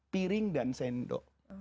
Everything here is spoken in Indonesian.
piring dan sendok